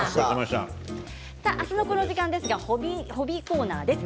明日のこの時間はホビーコーナーです。